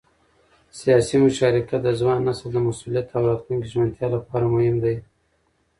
سیاسي مشارکت د ځوان نسل د مسؤلیت او راتلونکي ژمنتیا لپاره مهم دی